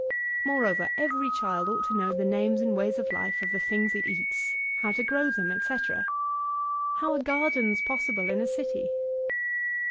Moreover^ every child ought to know the names and ways of life of the things it eats ; how to grow them, etc How are gardens possible in a dty?